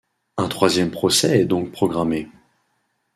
Un troisième procès est donc programmé.